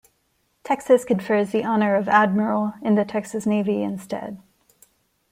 Texas confers the honor of "admiral" in the Texas Navy instead.